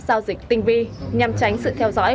giao dịch tinh vi nhằm tránh sự theo dõi